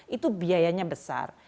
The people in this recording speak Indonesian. itu biayanya besar